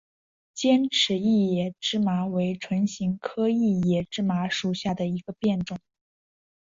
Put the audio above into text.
尖齿异野芝麻为唇形科异野芝麻属下的一个变种。